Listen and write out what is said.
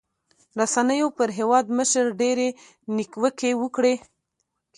رسنيو پر هېوادمشر ډېرې نیوکې وکړې.